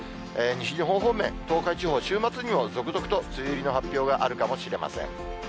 西日本方面、東海地方、週末にも続々と梅雨入りの発表があるかもしれません。